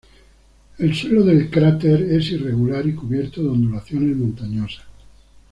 El suelo del cráter es irregular y cubierto de ondulaciones montañosas.